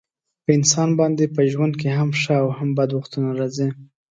په انسان باندې په ژوند کې هم ښه او هم بد وختونه راځي.